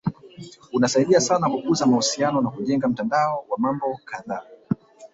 Unasaidia sana kukuza mahusiano na kujenga mtandao wa mambo kadhaa